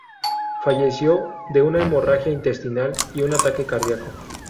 Falleció de una hemorragia intestinal y un ataque cardíaco.